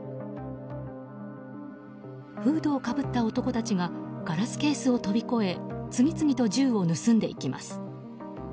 フードをかぶった男たちがガラスケースを飛び越え次々と銃を盗んでいきます。